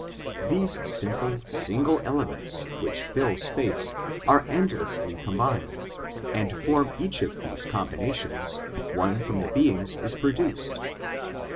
These simple, single elements which fill space are endlessly combined, and from each of these combinations one of the beings is produced.